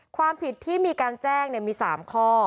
ความผิดที่มีการแจ้งมี๓ข้อ